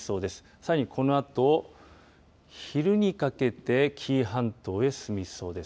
さらに、このあと昼にかけて紀伊半島へ進みそうです。